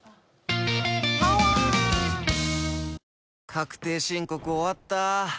確定申告終わった。